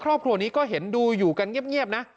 ครอบครัวนี้ก็เห็นดูอยู่กันเงียบนะ